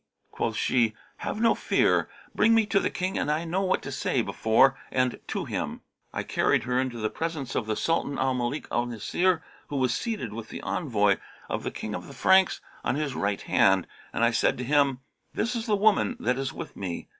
Quoth she, 'Have no fear, bring me to the King and I know what to say before and to him.' I carried her into the presence of the Sultan Al Malik al Nasir, who was seated, with the envoy of the King of the Franks on his right hand, and I said to him, 'This is the woman that is with me.'